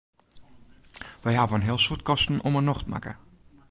Wy hawwe in heel soad kosten om 'e nocht makke.